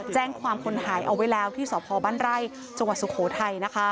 แจ้งความคนหายเอาไว้แล้วที่สพบ้านไร่จังหวัดสุโขทัยนะคะ